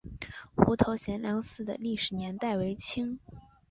湖头贤良祠的历史年代为清。